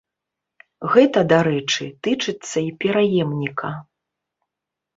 Гэта, дарэчы, тычыцца і пераемніка.